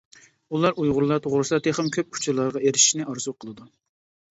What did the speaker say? ئۇلار ئۇيغۇرلار توغرىسىدا تېخىمۇ كۆپ ئۇچۇرلارغا ئېرىشىشنى ئارزۇ قىلىدۇ.